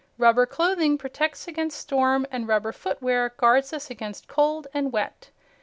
Rubber clothing protects against storm and rubber footwear guards us against cold and wet.